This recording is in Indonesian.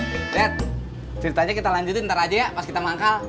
lihat ceritanya kita lanjutin ntar aja ya pas kita manggal